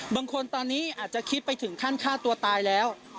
บางคนตอนนี้อาจจะคิดไปถึงขั้นฆ่าตัวตายแล้ว